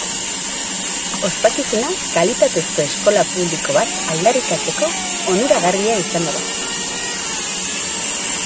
Ospakizuna kalitatezko eskola publiko bat aldarrikatzeko onuragarria izango da.